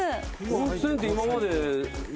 温泉って今まで。